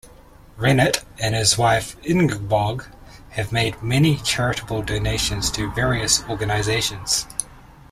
Rennert and his wife Ingeborg have made many charitable donations to various organizations.